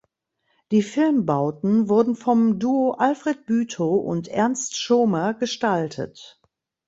Die Filmbauten wurden vom Duo Alfred Bütow und Ernst Schomer gestaltet.